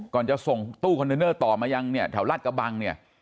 จะส่งตู้คอนเทนเนอร์ต่อมายังเนี่ยแถวราชกระบังเนี่ย